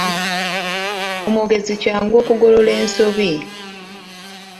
Omwogezi kyangu okugolola ensobi.